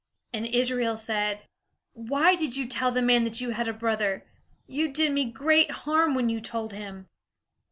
And Israel said, "Why did you tell the man that you had a brother? You did me great harm when you told him."